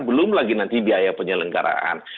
belum lagi nanti biaya penyelenggaraan